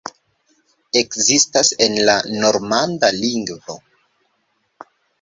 Ekzistas en la normanda lingvo.